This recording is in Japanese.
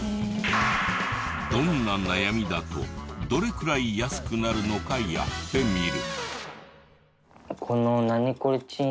どんな悩みだとどれくらい安くなるのかやってみる。